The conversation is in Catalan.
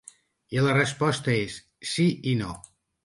I la resposta és: Sí i no.